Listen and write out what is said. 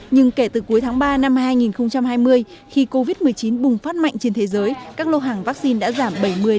nhưng kể từ cuối tháng ba năm hai nghìn hai mươi khi covid một mươi chín bùng phát mạnh trên thế giới các lô hàng vaccine đã giảm bảy mươi năm mươi